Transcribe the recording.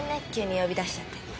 急に呼び出しちゃって。